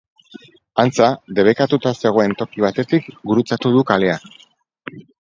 Antza, debekatuta zegoen toki batetik gurutzatu du kalea.